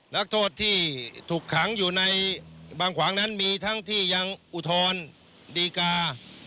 นักโทษที่ถูกขังอยู่ในบางขวางนั้นมีทั้งที่ยังอุทธรณ์ดีกา